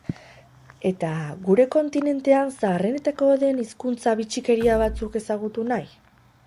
Eta gure kontinentean zaharrenetakoa den hizkuntzaren bitxikeria batzuk ezagutu nahi?